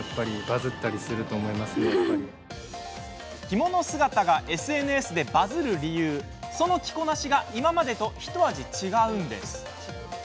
着物姿がＳＮＳでバズる理由その着こなしが今までとひと味、違うんです。